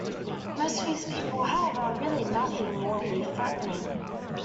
Most fears people have are really nothing mortally threatening.